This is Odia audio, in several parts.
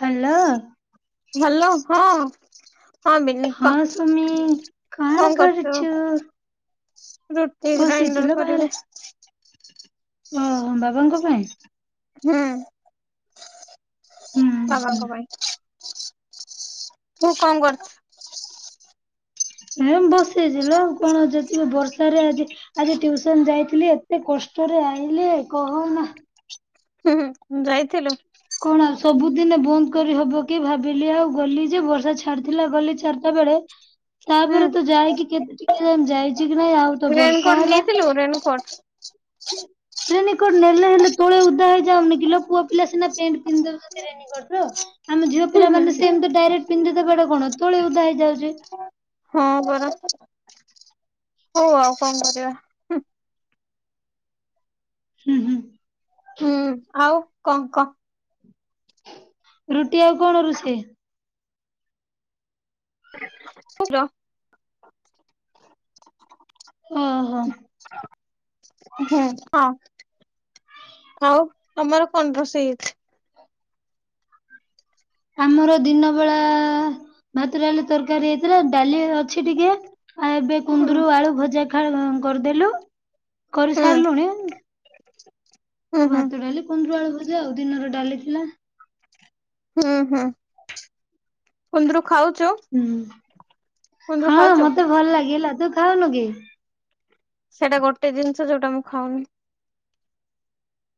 ହ୍ୟାଲୋ ଭଲ ହଁ। ହଁ ମିଲି କ ହଁ ସୁମି କଣ କରୁଛୁ? ରୁଟି ଗ୍ରାଇଣ୍ଡର ବସିଚିଲୋ କରିବି। ଓ ବାବାଙ୍କ ପାଇଁ? ହୁଁ ହୁଁ ବାବା ହୁଁ। ଙ୍କ ପାଇଁ। ତୁ କଣ କରୁଚୁ? ଏ ବସିଚି ଲୋ ଆଉ କଣ ଯେ ବର୍ଷ ରେ ଆଜି ଆଜି ଟ୍ୟୁଉସନ ଯାଇଥିଲି ଏତେ କଷ୍ଟରେ ଆଇଲି କହନା। ହୁଁ ହୁଁ ଯାଇଥିଲୁ। କଣ ସବୁଦିନେ ବନ୍ଦ କରି ହବ କି ଭାବିଲି ଆଉ ଗଲି ଯେ ବର୍ଷା ଛାଡିଥିଲା ଗଲି ଚାରିଟା ବେଳେ ହୁଁ ତାପରେ ତ ଯାଇକି କେତେ ଟିକେ ଯାଇ ଯାଇଛି କି ନାଇଁ ଆଉ ତ ବର୍ଷା ରେନକୋଟ ହେଲା। [unintelligible] ରେନିକୋଟ ନେଲେ ହେଲେ ତୋଳେ ଓଦା ହେଇଯାଉନି କିିଲୋ ପୁଅ ପିଲା ସିନା ପେଣ୍ଟ ପିନ୍ଧି ଦେଉଛନ୍ତି। ଆମ ଝିଅ ହୁଁ ପିଲା ମାନେ ହୁଁ ସେମିତି ଡାଇରେକ୍ଟ ପିନ୍ଧି ଦେବାଟା କଣ ତୋଳେ ଓଦା ହେଇଯାଉଛି। ହଁ ପରା ହଉ ଆଉ କଣ କରିବା। ହୁଁ ହୁଁ। ହୁଁ ଆଉ କଣ କହ? ରୁଟି ଆଉ କଣ ରୁଷେଇ? ଲୋ ଓହୋ [unintelligible] ହୁଁ ହଁ। ଆଉ ତମର କଣ୍ ରୋଷେଇ ହେଇଚି? ଆମର ଦିନବେଳା ଭାତ ଡାଲି ତରକାରୀ ହେଇଥିଲା ଡାଲି ଅଛି ଟିକେ ଆଉ ଏବେ ହୁଁ କୁନ୍ଦୁରୁ ଆଳୁ ଭଜା ଖ କରିଦେଲୁ। ହୁଁ କରିସାରିଲୁଣି ହୁଁ ତୋ ହୁଁ ଭାତ ଡାଲି କନ୍ଦୁରୁ ଆଳୁ ଭଜା ଆଉ ଦିନର ଡାଲି ଥିଲା। ହୁଁ ହୁଁ କୁନ୍ଦୁରୁ ଖାଉଚ। ହୁଁ ହଁ ମତେ ଭଲ ଲାଗେହେଲା ତୁ ଖାଉନୁ କି? ସେଇଟା ଗୋଟେ ଜିନିଷ ଯୋଉଟା ମୁଁ ଖାଉନି।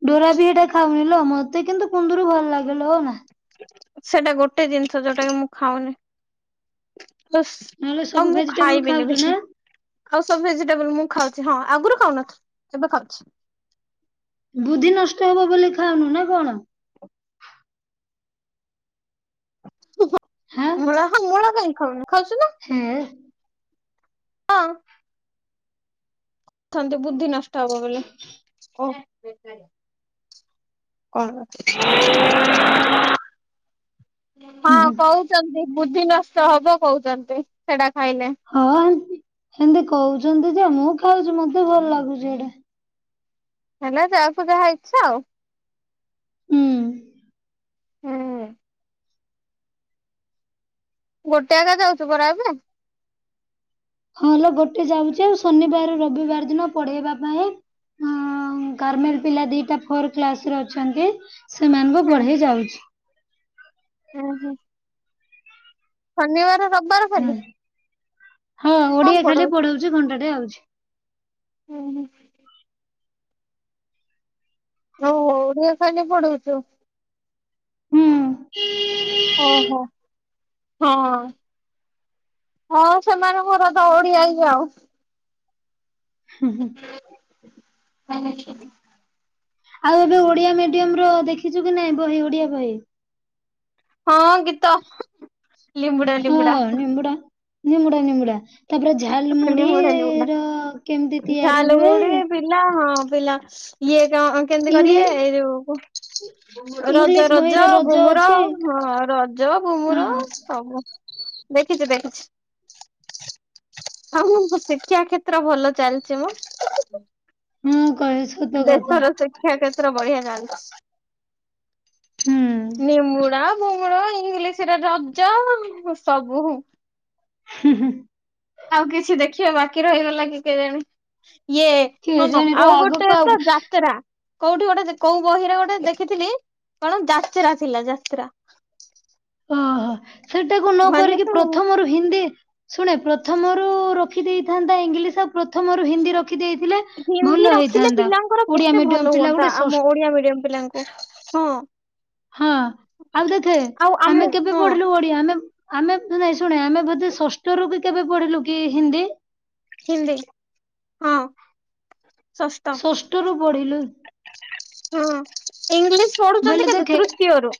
ଡୋରା ବି ଏଇଟା ଖାଉନି ଲୋ ମତେ କିନ୍ତୁ କୁନ୍ଦୁରୁ ଭଲ ଲାଗେଲୋ ମା। ସେଟା ଗୋଟେ ଜିନିଷ ଯୋଉଟା କି ମୁଁ ଖାଉନି। ଜସ୍ ନହେଲେ ଆଉ ସବୁ ମୁଁ ଭେଜିଟେବୁଲ ଖାଇବିନି ଖାଉଛୁ ବି। ନା ଆଉ ସବୁ ଭେଜିଟେବୁଲ ମୁଁ ଖାଉଛି ହଁ ଆଗରୁ ଖାଉନଥିଲି ଏବେ ଖାଉଛି। ବୁଦ୍ଧି ନଷ୍ଟ ହେବ ବୋଲି ଖାଉନୁ ନା କଣ? [unintelligible] ହଁ। ମୂଳା ହଁ ମୂଳା କାହିଁ ଖାଉନି ଖାଉଚି ନା। ହେଥେ। ହଁ। ଥନ୍ତେ ବୁଦ୍ଧି ନଷ୍ଟ ହବ ବୋଲି ଓ। ବେକାରିଆ କଣ ରଖିଚି [inaudible] ହଁ ହୁଁ ହୁଁ କଉଚନ୍ତି ବୁଦ୍ଧି ନଷ୍ଟ ହବ କଉଚନ୍ତି ସେଟା ଖାଇଲେ। ହଁ ଏମି ଏମତି କହୁଚନ୍ତି ଯେ ମୁଁ ଖାଉଚି ମତେ ଭଲ ଲାଗୁଚି ଏଇଟା। ହେଲା ଯାହାକୁ ଯାହା ଇଛା ଆଉ। ହୁଁ। ହୁଁ। ଗୋଟେ ଆଗା ଯାଉଚୁ ପରା ଏବେ? ହଁ ଲୋ ଗୋଟେ ଯାଉଚି ଆଉ ଶନିବାର ରବିବାର ଦିନ ପଢେଇବା ପାଇଁ ଗାରମେଲେ ପିଲା ଦିଟା ଫୋର କ୍ଲାସ ରେ ଅଛନ୍ତି ସେମାନଙ୍କୁୁ ହୁଁ ପଢେଇ ଯାଉଚି। ହୁଁ ହୁଁ। ଶନିବାର ରବିବାର ଖାଲି? ହୁଁ ହଁ କଣ ଓଡିଆ ପଢଉ ଖାଲି ପଢାଉଛି ଘଣ୍ଟାଟେ ଆଉ। ହୁଁ ହୁଁ। ଓହୋ ଓଡ଼ିଆ ଖାଲି ପଢଉଛୁ। ହୁଁ। ଓହୋ ହଁ। ହଁ ସେମାନଙ୍କର ତ ଓଡ଼ିଆ ଇଏ ଆଉ। ହୁଁ ହୁଁ। [inaudible] ଆଉ ଏବେ ଓଡିଆ ମିଡିୟମର ଦେଖିଛୁ କି ନାଇଁ ବହି ଓଡିଆ ବହି। ହଁ ଗୀତ। ଲିମ୍ବୁଡା ହଁ ଲିମ୍ବୁଡା। ନିମ୍ବୁଡା ନିମୁଡା ନିମୁଡା। ତାପରେ ଝାଲ ମୁଡି ଲିମ୍ବୁଡା ଲିମ୍ବୁଡା ର କେମିତି ତିଆରି ଝାଲ ହୁଏ? ମୁଢି ପିଲା ହଁ ପିଲା ଇଏ କଣ? କେମିତି କରିବେ ଇଂଲି ଏଇ ଯୋଉ ରଜ ଇଂଲିଶ ରଜ ବହିରେ ଘୁମୁର ଅଛି ହଁ। ଜୋ ହଁ ଘୁମୁର ସବୁ ଦେଖିଚି ଦେଖିଚି। ହଉ ହଉ ଶିକ୍ଷା କ୍ଷେତ୍ର ଭଲ ଚାଲିଚି ମ। ମୁଁ କହେ ସତ କଥା ଦେଶର ଶିକ୍ଷା କ୍ଷେତ୍ର ବଢିଆ ଚାଲଚି। ହୁଁ। ନିମୁଡା ଫିମୁଡା ଏଙ୍ଗିଲିଶିରେ ରଜ ସବୁ ହୁଁ। ହୁଁ ହୁଁ। ଆଉ କିଛି ଦେଖିବା ବାକି ରହିଗଲା କି କେଜାଣି ଇଏ। ହଁ ମ କେଜାଣିର ଆଉ ଆଗକୁ ଗୋଟେ ଆଉ ତ ଯାତେରା। କୋଉଠି ଗୋଟେ ଦେ କୋଉ ବହିରେ ଗୋଟେ ଦେଖିଥିଲି କଣ ଯାତ୍ରା ଥିଲା ଯାତ୍ରା। ଅ ହ ସେଟାକୁ ନ ମାନେ କରିକି ତ ପ୍ରଥମରୁ। ହିନ୍ଦୀ ଶୁଣେ ପ୍ରଥମରୁ ରଖି ଦେଇଥାନ୍ତା ଇଂଲିଶ ଆଉ। ପ୍ରଥମରୁ ହିନ୍ଦୀ ରଖି ଦେଇଥିଲେ ହିନ୍ଦୀ ଭଲ ରଖିଲେ ହେଇଥାନ୍ତା ପିଲାଙ୍କର ଓଡିଆ କେତେ ମିଡିୟମ ଭଲ ପିଲା ହୁଅନ୍ତା ଗୋଟେ ଆମ ଷଷ୍। ଓଡିଆ ମିଡିୟମ ପିଲାଙ୍କୁ ହଁ। ହଁ ଆଉ ଦେଖେ ଆଉ ଆମେ ଆମ କେବେ ହଁ ପଢିଲୁ ଓଡିଆ ଆମେ। ଆମେ ନାଇଁ ଶୁଣେ ଆମେ ବୋଧେ ଷଷ୍ଠ ରୁ କି କେବେ ପଢିଲୁ କି ହିନ୍ଦୀ। ହିନ୍ଦୀ ହଁ ଷଷ୍ଟ। ଷ୍ଟ ରୁ ପଡିଲୁ। ହୁଁ ଇଂଲିଶ। ପଢୁଚନ୍ତି ବୋଇଲେ କେତେ ଦେଖେ ତୃତୀୟ ରୁ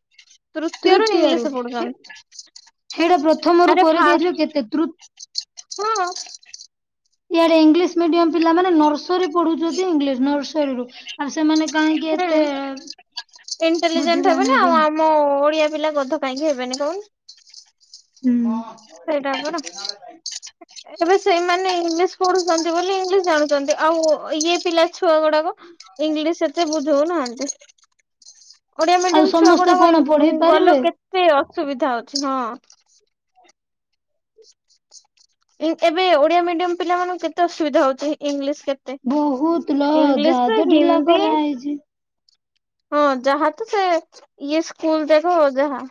ତୃତୀୟ ରୁ ଇଂଲିଶ ପଢୁଚନ୍ତି। ସେଇଟା ପ୍ରଥମରୁୁ କରିଦେଇଥିଲେ କେତେ ତୃ ହଁ। ଇଆଡେ ଇଂଲିଶ ମିଡିୟମ ପିଲାମାନେ ନର୍ସରୀ ପଢୁଚନ୍ତି ଇଂଲିଶ ନର୍ସ। ନର୍ସରି ରୁ ଆଉ ସେମାନେ କାହିଁକି ଏତେ ହୁଁ ବୁଦ୍ଧିିବାନ ହେବେନି। ମୋ ଓଡିଆ ପିଲା ଗଧ କାହିଁକି ହେବେନି କହୁନୁ। ହୁଁ। ସେଇଟା କଣ ଏବେ ସେଇମାନେ ଇଂଲିଶ। ପଢୁଛନ୍ତି ବୋଲି ଇଂଲିଶ ଜାଣୁଛନ୍ତି ଆଉ ଇଏ ପିଲା ଛୁଆ ଗୁଡାକ ଇଂଲିଶ ଏତେ ବୁଝଉନାହାନ୍ତି। ଓଡିଆ ଆଉ ମିଡିୟମ ଛୁଆ ସମସ୍ତେ ଗୁଡାକ ଇଂ କଣ ଉଁ ପଢେଇ ଗଲେ ପାରିବେ କେତେ ଅସୁବିଧା ଅଛି ହଁ। ଇଂ ଏବେ ଓଡିଆ ମିଡିୟମ ପିଲାମାନଙ୍କୁ କେତେ ଅସୁବିଧା ହଉଛି ଇଂଲିଶ କେ ବହୁତ ଲା ଯା ତ ଢିଲା ହିନ୍ଦୀ କରାହେଇଛି। ହଁ ଯାହା ତ ସେ ଇଏ ସ୍କୁଲ ଯାକ ଯାହା।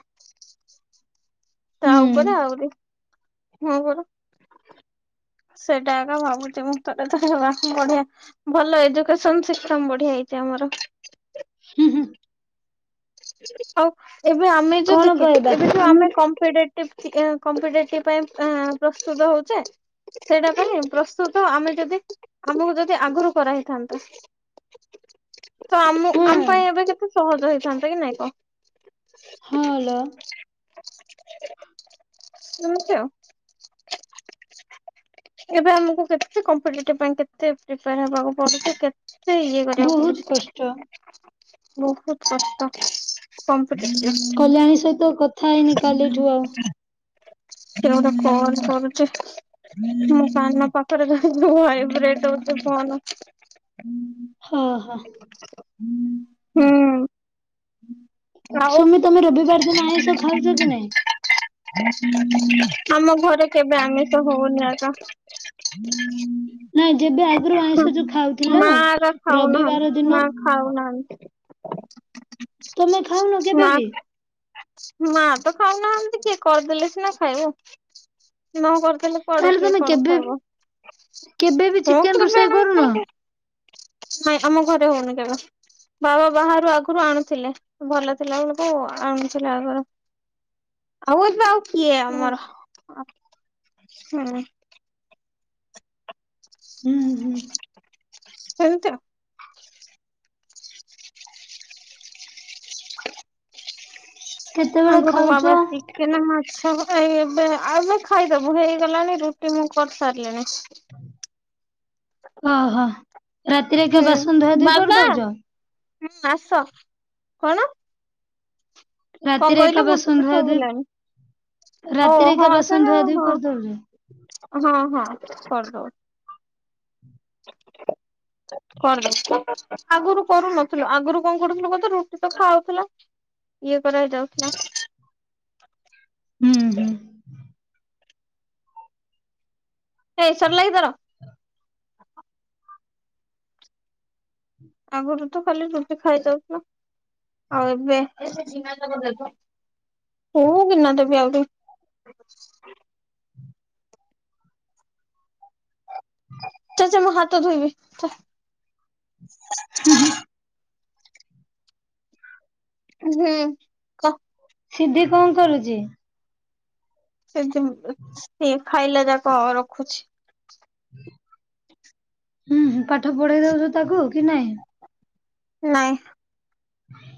ହୁଁ ତାହା ଉପରେ ଆହୁରି ହଁ ପରା। ସେଟା ଏକା ଭାବୁଚି ମୁଁ ଥରେ ଥରେ ବା ବଢିଆ। ଭଲ ଏଜୁକେସନ ସିଷ୍ଟମ ବଢିଆ ହେଇଛି ଆମର। ହୁଁ ହୁଁ। ଆଉ ଏବେ ଆମେ ଯୋଉ କଣ ଦେଖେ କହିବା ଏବେ ଯୋଉ ଆମେ କମ୍ପିଟେଟି ଟିଭ ଥି ଆଁ କମ୍ପିଟେଟିଭ ପାଇଁ ଆଁ ପ୍ରସ୍ତୁତ ହଉଚେ। ସେଇଟା ପାଇଁ ପ୍ରସ୍ତୁତ ଆମେ ଯଦି ଆମକୁ ଯଦି ଆଗରୁ କରାହେଇଥାନ୍ତା। ତ ଆମୁ ଆମ ହୁଁ ପାଇଁ ଏବେ କେତେ ସହଜ ହେଇଥାନ୍ତା କି ନାଇଁ କ। ହଁ ଲୋ। ଇମିତି ଆଉ। ଏବେ ଆମକୁ କେତେ କମ୍ପିଟେଟିଭ ପାଇଁ କେତେ ପ୍ରିପେଆର ହବାକୁ। ପଡୁଚି କେତେ ଇଏ କରିବାକୁ ବହୁତ କଷ୍ଟ। ପଡୁଚି ବହୁତ କଷ୍ଟ। କମ୍ପିଟେଟିଭ। କଲ୍ୟାଣୀ ସହିତ କଥା ହେଇନି କାଲିଠୁ ଆଉ କିଏ ଗୋଟେ ଫୋନ କରୁଚି। ମୁଁ କାନ ପଖରେ ଧରିଚି ଭାଇବ୍ରେଟ ହଉଚି ଫୋନ। ହୋ ହୋ ‌ ହୁଁ। ଆଉ। ସୁମି ତମେ ରବିବାର ଦିନ ଆଇଁଷ ଖାଉଛ କି ନାଇଁ? ଆମ ଘରେ କେବେ ଆମେ ତ ହଉନି ଏକା ନାଇଁ ଯେବେ ଆଗରୁ ଆଇଁଷ ଯୋଉ ଖାଉଥିଲ ମା ହେକା ରବିବାର ଖାଉନାହାନ୍ତି ଦିନ ମା ଖାଉନାହାନ୍ତି ତମେ ଖାଉନ ମା କେବେ ବି? ମା ତ ଖାଉନାହାନ୍ତି କିଏ କରିଦେଲେ ସିନା ଖାଇବ ନ କରି କାଲେ କୁଆଡୁ ତାହେଲେ କିଏ ତମେ କଣ କେବେ କେବେ ବି ଖାଇବ ଚିକେନ ରୋଷେଇ କରୁନ? ହଁ [unintelligible] ନାଇଁ ଆମ ଘରେ ହଉନି କେବେ ବାବା ବାହାରୁ ଆଗରୁ ଆଣୁ ଥିଲେ ଭଲ ଥିଲାବେଳକୁ ଆଣୁଥିଲା ଆଗରୁ ଆଉ ଏବେ ଆଉ କିଏ ହୁଁ ଆମର ହୁଁ। ହୁଁ ହୁଁ। ହେମିତି ଆଉ କେତେବେଳେ ଆଗରୁ ଖାଉଛ? ବାବା ଠିକ କେନ ମାଛା ଏ ଏବେ ଆବେ ଖାଇଦବୁ ହେଇଗଲାଣି ରୁଟି ମୁଁ କରି ସାରିଲିଣି ହ ଓହୋ ରାତିରେ ଏକା ବାସନ ଧୁଆ ଧୁଇ ବାବା କରିଦଉଚ? ହୁଁ ଆସ କଣ? କଣ ରାତିରେ ଏକା କହିଲୁ ବାସନ ବୁଜ ଧୁଆ ଧୁଇ ସୁଵିଲାନି? ଓ ରାତିରେ ହଁ ଏକା ବାସନ ସେଟା ଧୁଆ ଧୁଇ ହଁ କରିଦଉଛ? ହଁ ହଁ କରଦବ। କଣ ଦେଖ ଆଗରୁ କରୁନଥିଲୁ ଆଗରୁ କଣ କରୁଥିଲୁ କହତ ରୁଟି ତ ଖାଉଥିଲା ଇଏ କରିବାକୁ ଯାଉଥିଲା ହୁଁ ହୁଁ। ଏ ସରଲା କି ତୋର ଆଗରୁ ତ ଖାଲି ରୁଟି ଖାଇଦେଉଥିଲୁ ଆଉ ଏବେ କୋଉ ଗିନା ଦେବି ଆଉ ତାକୁ ଚା ଚା ମୁଁ ହାତ ଧୋଇବି ଚା ହୁଁ ହୁଁ। ହୁଁ। କ ସିଦ୍ଧି କଣ କରୁଚି? ସିଦ୍ଧି ସିଏ ଖାଇଲା ଯାକ ରଖୁଚି। ହୁଁ ହୁଁ ପାଠ ପଢେଇ ଦଉଚୁ ତାକୁ କି ନାଇଁ? ନାଇଁ ହଁ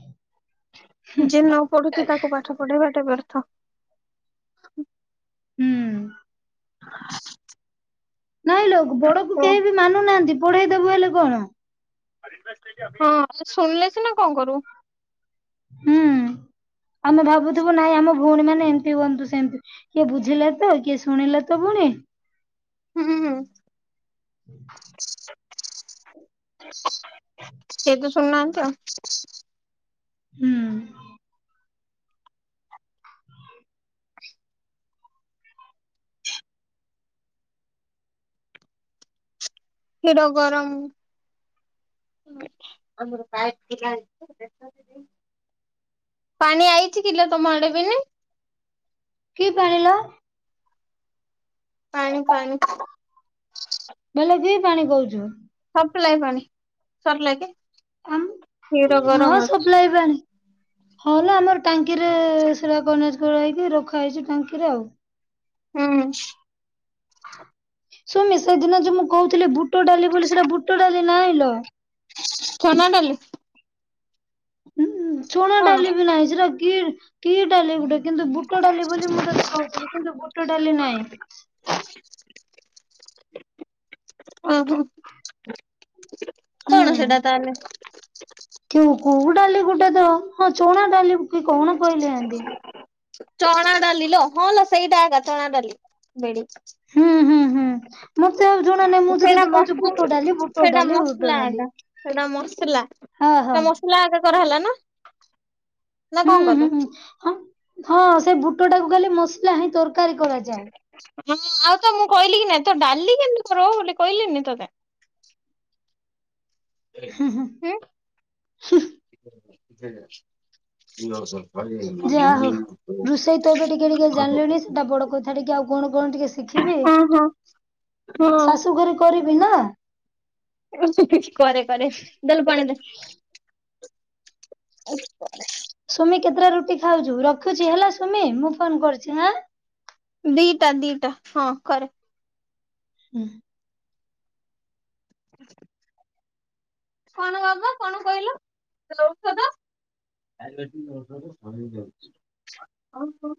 ଯିଏ ନ ପଢୁଚି ତାକୁ ପାଠ ପଢେଇବା ଟେ ବ୍ୟର୍ଥ ହୁଁ। ନାଇଁ ଲୋ ବଡକୁ ଓ କେହି ବି ମାନୁନାହାନ୍ତି ପଢେଇ ଦବୁ ହେଲେ କଣ ହଁ ସେ ଶୁଣିଲେ ସିନା କଣ କରୁ ହୁଁ ଆମେ ଭାବୁଥିବୁ ନାଇଁ ଆମ ଭଉଣୀ ମାନେ ଏମତି ହୁଅନ୍ତୁ ସେମିତି କିଏ ବୁଝିଲେ ତ କିଏ ଶୁଣିଲେ ତ ପୁଣି ହୁଁ ହୁଁ। ହୁଁ କେହି ତ ଶୁଣୁନାହାନ୍ତି ଆଉ ହୁଁ। କ୍ଷୀର ଗରମ [inaudible] ପାଣି ଆଇଚି କିଲୋ ତମ ଆଡେ ବିନି? କି ପାଣି ଲୋ? ପାଣି ପାଣି। ବେଲେ ବି ପାଣି ବହୁଛୁ। ସପ୍ଲାଇ ପାଣି ସରିଲା କି? ଆ କ୍ଷୀର ହଁ ଗରମ ଅଛି। ସପ୍ଲାଇ ପାଣି। ହଁଲୋ ଆମର ଟାଙ୍କିରେ ସେରା କନେକ୍ଟ କରା ହେଇକି ରଖା ହେଇଛି ଟାଙ୍କିରେ ଆଉ। ହୁଁ। ସୁମି ସେଦିନ ଯେ ମୁଁ କହୁଥିଲି ବୁଟ ଡାଲି ବୋଲି ସେଟା ବୁଟ ଡାଲି କି ନାଇଲୋ। ଚଣା ଡାଲି। ଉଁ ଚଣା କଣ? ଡାଲି ବି ନାହିଁ ସେଟା କି କି ଡାଲି ଗୋଟେ? କିନ୍ତୁ ବୁଟ ଡାଲି ବୋଲି ମୁଁ ତତେ କହୁଥିଲି କିନ୍ତୁ ବୁଟ ଡାଲି ନାହିଁ। ଓ ହୁଁ। କଣ ସେଟା ତାହେଲେ? କେଉ କୋଉ ଡାଲି ଗୋଟେ ତ ହଁ ଚଣା ଡାଲି କି କଣ କହିଲେ ଆଣ୍ଟି। ଚଣା ଡାଲି ଲୋ ହଁ ଲୋ ସେଇଟା ଏକା ଚଣା ଡାଲି ବେଡି। ହୁଁ ହୁଁ ହୁଁ। ମତେ ଆଉ ଜଣା ନାହିଁ ମୁଁ ଯେ ସେଟା ତତେ କହୁଛି ମସଲା ବୁଟ ଡାଲି ବୁଟ ସେଟା ଡାଲି ବୁଟ ଡାଲି। ମସଲାଟା ସେଟା ମସଲା। ହଁ ହଁ ସେଟା ମସଲା ଏକା କରା ହେଲା ନା। ନା ହୁଁ କଣ ହୁଁ କଲ? ହୁଁ ହଁ ହଁ ସେ ବୁଟ ଟାକୁ ଖାଲି ମସଲା ହିଁ ତରକାରୀ କରାଯାଏ। ହଁ ଆଉ ତ ମୁଁ କହିଲି କି ନାଇଁ ତ ଡାଲି କେମିତି କର ବୋଲି କହିଲିନି ତୋତେ? ହୁଁ ହୁଁ ନଶହ। ଯା ହେଉ ରୋଷେଇ ତ ଏବେ ଟିକେ ଟିକେ ଜାଣିଲୁନି ସେଟା ବଡ କହ ଟିକେ ଆଉ କଣ କଣ ଟିକେ ଶିଖିବି ହଁ ହଁ। ହଁ ଶାଶୁଘରେ କରିବି ନା। ହୁଁ ହୁଁ କରେ କରେ ଦେଲୁ ପାଣିଦେ। ସୁମି କେତେଟା ରୁଟି ଖାଉଛୁ ରଖୁଛି ହେଲା ସୁମି ମୁଁ ଫୋନ କରୁଛିଁ। ଦିଟା ଦିଟା ହଁ କର ହୁଁ। କଣ ବାବା କଣ କହିଲ ଔଷଧ ଡାଇବେଟିସି ଓଷଧ ସରିଯାଉଛି ଆଉ।